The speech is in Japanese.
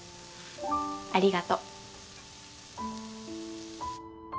ありがとう。